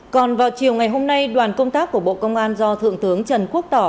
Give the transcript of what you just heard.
còn vào chiều ngày hôm nay đoàn công tác của bộ công an do thượng tướng trần quốc tỏ